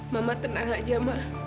mama tenang saja ma